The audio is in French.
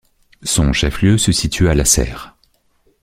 Son chef-lieu se situe à Lasserre.